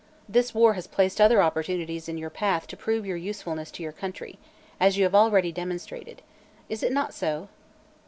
This war has placed other opportunities in your path to prove your usefulness to your country, as you have already demonstrated. Is it not so?"